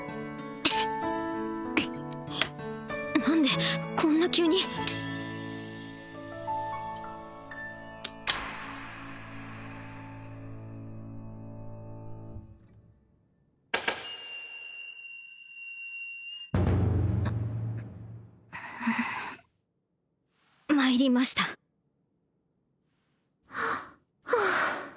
何でこんな急に参りましたふう